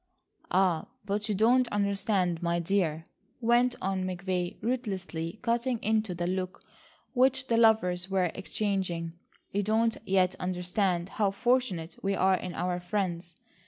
"Ah, but you don't understand, my dear," went on McVay ruthlessly cutting into the look which the lovers were exchanging; "You don't yet understand how fortunate we are in our friends.